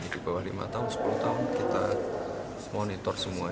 di bawah lima tahun sepuluh tahun kita monitor semua